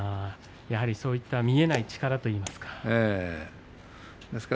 やはりそういう見えない力といいますか。